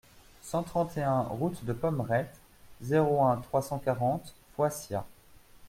cent trente et un route de Pommerette, zéro un, trois cent quarante, Foissiat